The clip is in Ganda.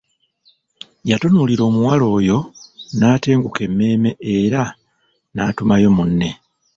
Yatunuulira omuwala oyo n'atenguka emmeeme era n'atumayo munne.